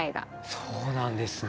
そうなんですね！